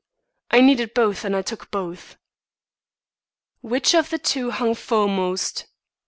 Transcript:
I needed both and I took both." "Which of the two hung foremost?"